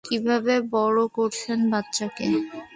কীভাবে বড় করেছে বাচ্চাকে!